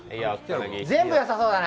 全部、よさそうだな！